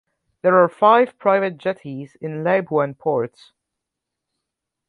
There are five private jetties in Labuan Port.